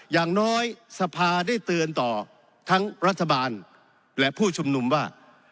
อย่างน้อยสภาได้เตือนต่อทั้งรัฐบาลและผู้ชุมนุมว่า